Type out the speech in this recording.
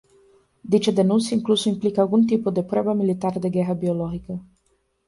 Dicha denuncia incluso implica algún tipo de prueba militar de guerra biológica.